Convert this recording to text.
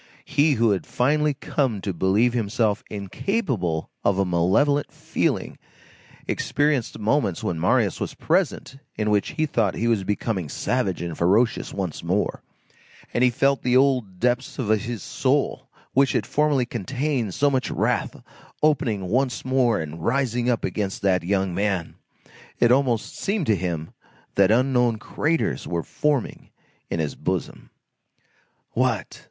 He, who had finally come to believe himself incapable of a malevolent feeling, experienced moments when Marius was present, in which he thought he was becoming savage and ferocious once more, and he felt the old depths of his soul, which had formerly contained so much wrath, opening once more and rising up against that young man. It almost seemed to him that unknown craters were forming in his bosom. What!